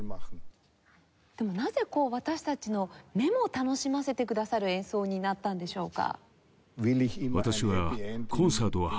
でもなぜ私たちの目も楽しませてくださる演奏になったんでしょうか？